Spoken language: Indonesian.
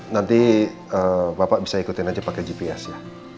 nanti bapak bisa ikutin aja pakai gps ya